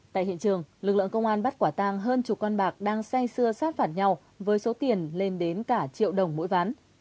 tại hiện trường lực lượng công an bắt quả tang hơn chục con bạc đang say xưa sát phạt nhau với số tiền lên đến cả triệu đồng mỗi ván